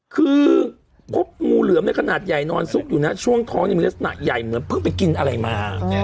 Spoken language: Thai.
คือพบงูเหลือมในขนาดใหญ่นอนซุกอยู่นะช่วงท้องยังมีลักษณะใหญ่เหมือนเพิ่งไปกินอะไรมา